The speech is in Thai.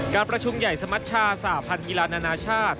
การประชุมใหญ่สมัชชาสหพันธ์กีฬานานาชาติ